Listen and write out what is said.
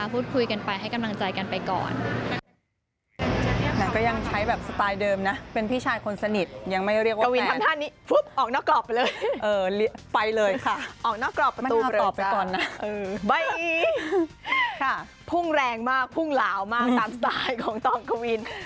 พูดคุยกันไปให้กำลังใจกันไปก่อน